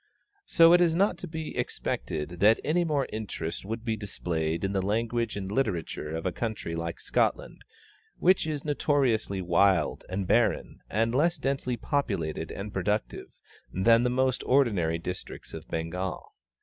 So it is not to be expected that any more interest would be displayed in the language and literature of a country like Scotland, which is notoriously wild and barren and less densely populated and productive than the most ordinary districts of Bengal.